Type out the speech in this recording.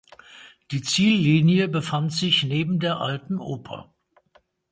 Die Ziellinie befand sich neben der Alten Oper.